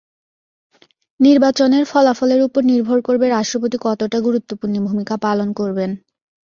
নির্বাচনের ফলাফলের ওপর নির্ভর করবে রাষ্ট্রপতি কতটা গুরুত্বপূর্ণ ভূমিকা পালন করবেন।